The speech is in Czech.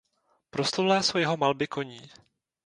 Proslulé jsou jeho malby koní.